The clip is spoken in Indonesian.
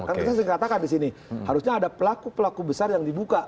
kan kita sering katakan di sini harusnya ada pelaku pelaku besar yang dibuka